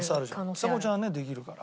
ちさ子ちゃんはねできるから。